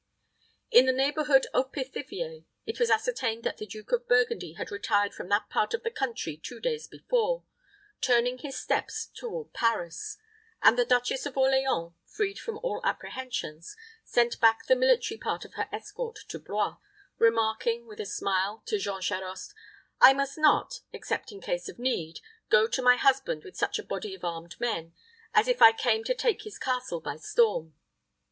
In the neighborhood of Pithiviers, it was ascertained that the Duke of Burgundy had retired from that part of the country two days before, turning his steps toward Paris; and the Duchess of Orleans, freed from all apprehensions, sent back the military part of her escort to Blois, remarking, with a smile, to Jean Charost, "I must not, except in case of need, go to my husband with such a body of armed men, as if I came to take his castle by storm."